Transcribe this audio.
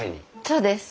そうです。